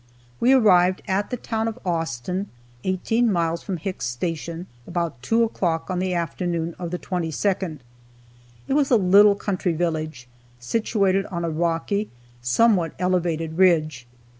We arrived at the town of Austin, 18 miles from Hicks' Station, about 2 o'clock on the afternoon of the 22nd. It was a little country village, situated on a rocky, somewhat elevated ridge.